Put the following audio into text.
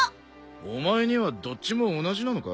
お前にはどっちも同じなのか？